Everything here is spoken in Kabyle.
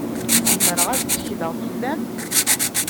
Zemreɣ ad tekkleɣ fell-am?